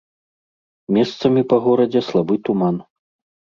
Месцамі па горадзе слабы туман.